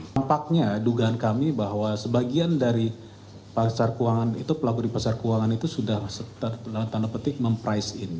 nampaknya dugaan kami bahwa sebagian dari pelabur di pasar keuangan itu sudah tanda petik memprice in